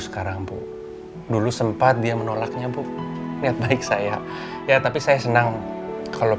sekarang bu dulu sempat dia menolaknya bu niat baik saya ya tapi saya senang kalau